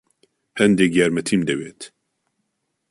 هەندێک یارمەتیم دەوێت.